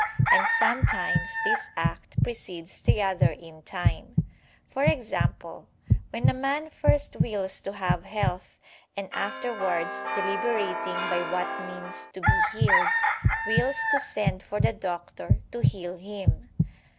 And sometimes this act precedes the other in time; for example when a man first wills to have health, and afterwards deliberating by what means to be healed, wills to send for the doctor to heal him.